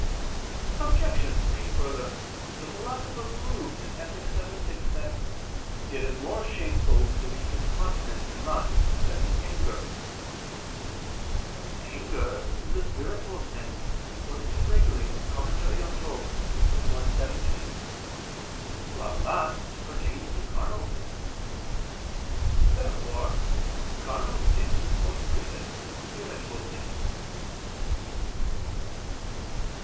Obj. 3: Further, the Philosopher proves (Ethic. vii, 6) that "it is more shameful to be incontinent in lust than in anger." But anger is a spiritual sin, according to Gregory (Moral. xxxi, 17); while lust pertains to carnal sins. Therefore carnal sin is more grievous than spiritual sin.